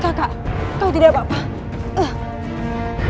kakak kau tidak apa apa